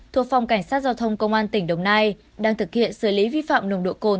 thuộc phòng cảnh sát giao thông công an tỉnh đồng nai đang thực hiện xử lý vi phạm nồng độ cồn